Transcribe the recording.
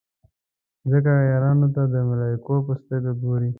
ځکه عیارانو ته د ملایکو په سترګه ګوري.